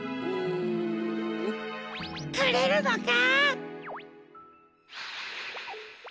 くれるのか？